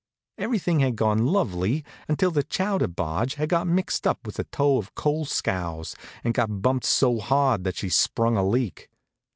Everything had gone lovely until the chowder barge had got mixed up with a tow of coal scows and got bumped so hard that she sprung a leak.